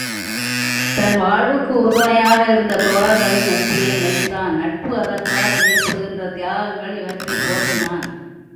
தன் வாழ்வுக்கு உறுதுணையாக இருந்த தோழர்களின் நட்பினை மதித்தான் நட்பு அதற்காகச் செய்யப்படுகின்ற தியாகங்கள் இவற்றைப் போற்றினான்.